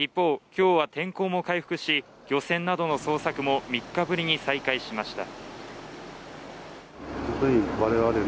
今日は天候も回復し漁船などの捜索も３日ぶりに再開しました